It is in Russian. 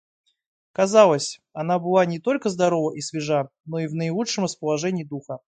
Казалось, она была не только здорова и свежа, но в наилучшем расположении духа.